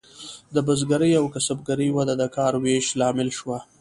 د بزګرۍ او کسبګرۍ وده د کار ویش لامل شوه.